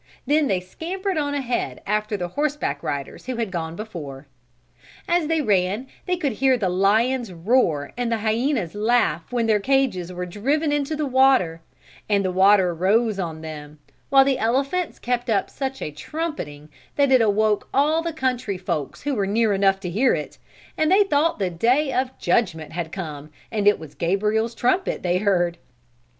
Then they scampered on ahead after the horseback riders who had gone before. As they ran they could hear the lion's roar and the hyena's laugh when their cages were driven into the water, and the water rose on them, while the elephants kept up such a trumpeting that it awoke all the country folks who were near enough to hear it, and they thought the Day of Judgment had come and it was Gabriel's trumpet they heard.